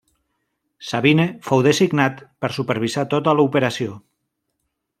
Sabine fou designat per supervisar tota l'operació.